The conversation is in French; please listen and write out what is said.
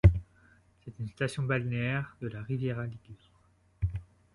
C'est une station balnéaire de la Riviera ligure.